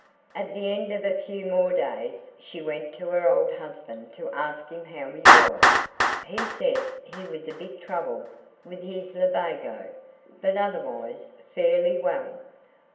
At the end of a few more days she went to her old husband to ask him how he was. He said he was a bit troubled with his lumbago, but otherwise fairly well.